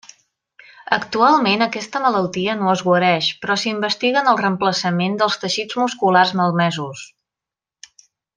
Actualment aquesta malaltia no es guareix, però s'investiga en el reemplaçament dels teixits musculars malmesos.